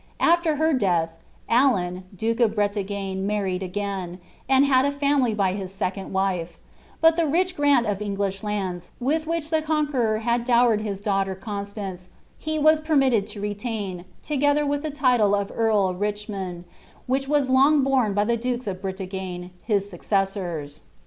After her death, Alas duke of firetagtie married again, and had a family by bis second wife; bui the rich grant of English lands, with which the Conqueror had dowered hia daughter Conaiance, he was permitted to retain, together witli the title of earl of Richmond, which was long borne by tlie dukee of Bretagne, his 8uce«Bsor«i.